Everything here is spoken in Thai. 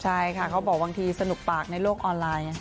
ใช่ค่ะเขาบอกบางทีสนุกปากในโลกออนไลน์